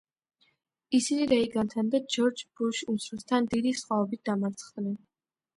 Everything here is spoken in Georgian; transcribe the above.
ისინი რეიგანთან და ჯორჯ ბუშ უმცროსთან დიდი სხვაობით დამარცხდნენ.